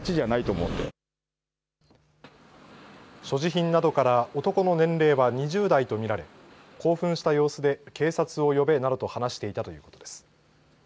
所持品などから男の年齢は２０代と見られ興奮した様子で警察を呼べなどと話していたということです。